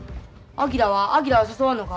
昭は誘わんのか？